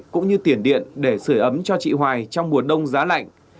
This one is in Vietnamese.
cũng như tiền điện để sửa ấm cho chị hoài trong mùa đông giá lạnh